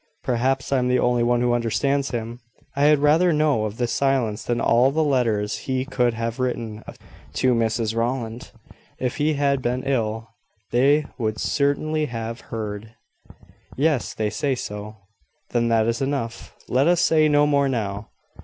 "Perhaps I am the only one who understands him. I had rather know of this silence than of all the letters he could have written to Mrs Rowland. If he had been ill, they would certainly have heard." "Yes; they say so." "Then that is enough. Let us say no more now."